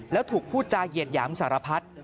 แล้วถูกพูดจาเหยียดหยามสารพัด